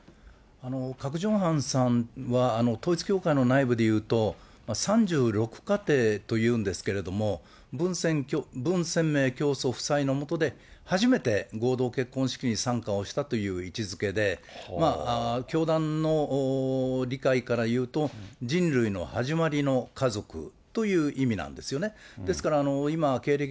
クァク・ジョンファンさんは、統一教会の内部でいうと、３６かていというんですけれども、文鮮明教祖夫妻のもとで初めて合同結婚式に参加をしたという位置づけで、教団の理解からいうと、人類の始まりの家族という意味なんですよね。